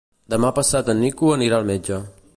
Demà passat en Nico anirà al metge.